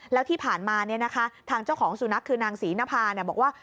แล้วที่ผ่านมาทางเจ้าของสุนัขคือนางศรีนภาบอกว่า